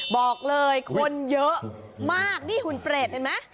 บอกเลยคนเยอะมากนี่หุ่นเปรตเห็นไหม